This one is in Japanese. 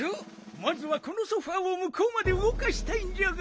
まずはこのソファーをむこうまでうごかしたいんじゃが。